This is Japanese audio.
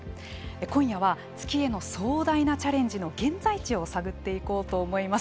今夜は月への壮大なチャレンジの現在地を探っていこうと思います。